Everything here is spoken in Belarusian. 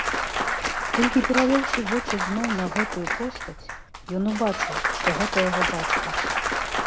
Толькі перавёўшы вочы зноў на гэтую постаць, ён убачыў, што гэта яго бацька.